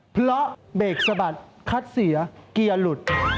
เพราะเบรกสะบัดคัดเสียเกียร์หลุด